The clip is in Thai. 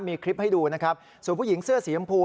มีคลิปให้ดูแล้วส่วนผู้หญิงเสื้อสียำพู